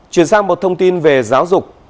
chuyển sang một thông tin về giáo dục